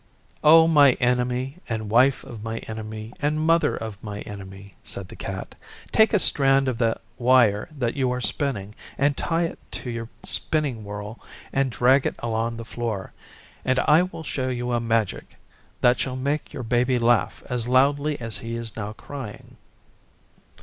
'O my Enemy and Wife of my Enemy and Mother of my Enemy,' said the Cat, 'take a strand of the wire that you are spinning and tie it to your spinning whorl and drag it along the floor, and I will show you a magic that shall make your Baby laugh as loudly as he is now crying.